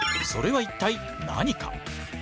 それは一体何か？